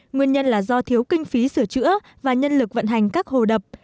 nguyên nhân là do thiếu kinh phí sửa chữa và nhân lực vận hành các hồ đập